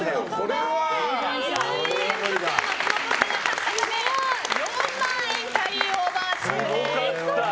松本さんが連続で勝ったたため４万円のキャリーオーバーです。